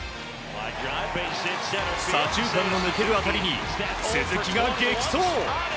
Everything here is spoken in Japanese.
左中間を抜ける当たりに鈴木が激走！